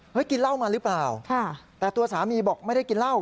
กินเหล้ามาหรือเปล่าแต่ตัวสามีบอกไม่ได้กินเหล้า